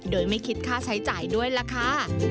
โดยไม่คิดค่าใช้จ่ายด้วยล่ะค่ะ